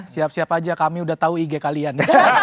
siap siap aja kami udah tahu ig kalian